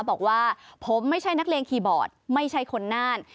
บอกว่าผมไม่ใช่นักเลงคีย์บอร์ดไม่ใช่คนน่าน